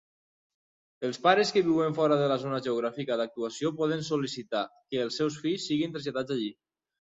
Els pares que viuen fora de la zona geogràfica d'actuació poden sol·licitar que els seus fills siguin traslladats allí.